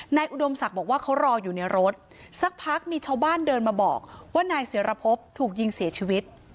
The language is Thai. อุดมศักดิ์บอกว่าเขารออยู่ในรถสักพักมีชาวบ้านเดินมาบอกว่านายศิรพบถูกยิงเสียชีวิต